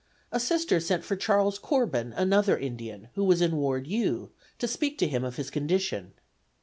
A Sister sent for Charles Corbin, another Indian, who was in Ward U, to speak to him of his condition.